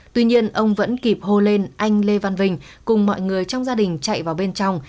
tuy nhiên ông vẫn kịp hô lên anh lê văn vinh cùng mọi người trong gia đình chạy vào bên trong